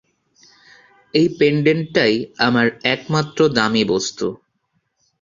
এই পেন্ডেন্টটাই আমার একমাত্র দামী বস্তু।